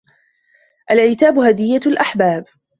العتاب هدية الأحباب